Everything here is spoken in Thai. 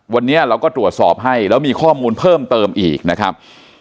วันนี้เราก็ตรวจสอบให้แล้วมีข้อมูลเพิ่มเติมอีกนะครับ